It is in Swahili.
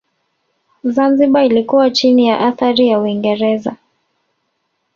Zanzibar ilikuwa chini ya athari ya Uingereza